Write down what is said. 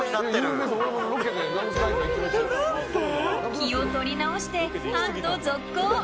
気を取り直してハント続行！